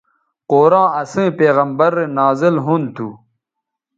قرآن اسئیں پیغمبرؐ رے نازل ھُون تھو